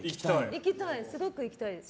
すごく行きたいです。